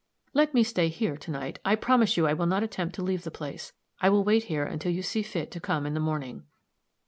"Let me stay here to night; I promise you I will not attempt to leave the place. I will wait here until you see fit to come in the morning."